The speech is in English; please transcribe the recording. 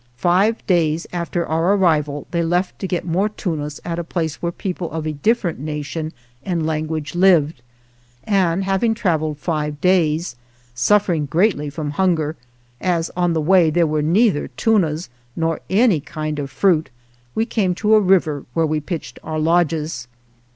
Five days after our arrival they left to get more tunas at a place where people of a different nation and language lived, and having travelled five days, suffering greatly from hunger, as on the way there were neither tunas nor any kind of 101 THE JOURNEY OF fruit, we came to a river, where we pitched our lodges.